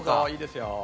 いいですよ。